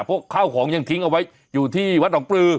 เพราะข้าวของยังทิ้งเอาไว้อยู่ที่วัดหนองปลือ